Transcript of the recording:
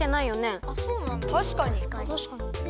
たしかに。